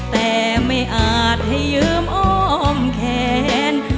แต่ไม่อาจให้ยืมอ้อมแขน